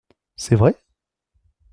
C’est vrai ?